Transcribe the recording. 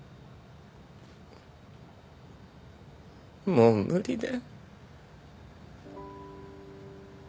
もう無理だ。